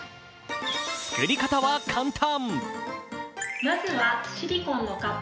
作り方は簡単。